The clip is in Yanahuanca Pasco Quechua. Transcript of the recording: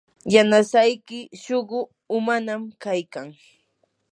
yanasayki suqu umanam kaykan.